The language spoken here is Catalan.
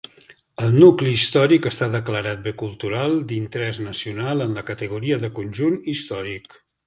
El nucli històric està declarat bé cultural d'interès nacional en la categoria de conjunt històric.